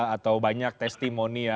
atau banyak testimoni ya